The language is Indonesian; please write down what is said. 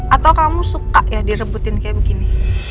atau kamu suka ya direbutin kayak begini